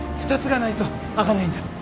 ２つがないと開かないんだ